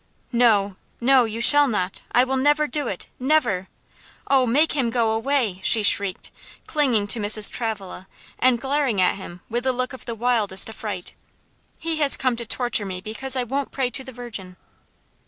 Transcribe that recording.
"No, no, you shall not! I will never do it never. Oh! make him go away," she shrieked, clinging to Mrs. Travilla, and glaring at him with a look of the wildest affright, "he has come to torture me because I won't pray to the Virgin."